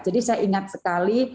jadi saya ingat sekali